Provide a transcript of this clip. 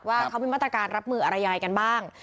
ว่าเขามีมาตรการรับมืออะไรยังไงกันบ้าง